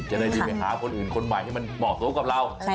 จะได้รีบไปหาคนอื่นคนใหม่ให้มันเหมาะสมกับเรา